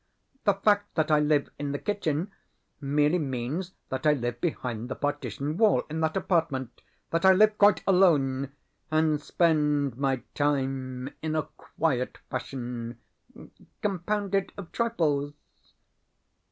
The fact that I live in the kitchen merely means that I live behind the partition wall in that apartment that I live quite alone, and spend my time in a quiet fashion compounded of trifles.